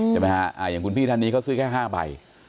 ใช่ไหมฮะอย่างคุณพี่ท่านนี้เขาซื้อแค่๕ใบ